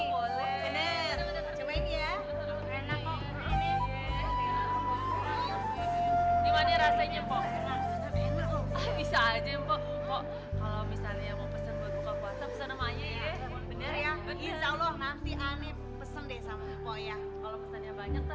gimana rasanya pokok bisa aja kok kalau misalnya mau pesan